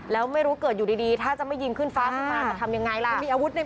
แล้วไม่รู้เกิดอยู่ดีถ้าจะไม่ยิงขึ้นฟ้าขึ้นมาจะทำยังไงล่ะมีอาวุธใน